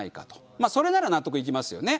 まあそれなら納得いきますよね。